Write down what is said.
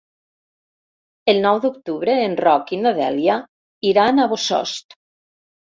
El nou d'octubre en Roc i na Dèlia iran a Bossòst.